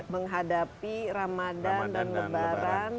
menghadapi ramadhan dan lebaran